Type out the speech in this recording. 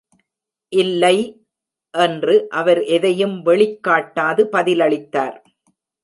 "இல்லை,” என்று அவர் எதையும் வெளிக்காட்டாது பதிலளித்தார்.